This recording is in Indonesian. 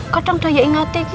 kadang daya ingate